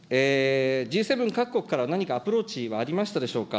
Ｇ７各国から、何かアプローチはありましたでしょうか。